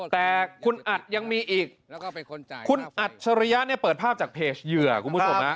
แต่คุณอัดยังมีอีกคุณอัจฉริยะเนี่ยเปิดภาพจากเพจเหยื่อคุณผู้ชม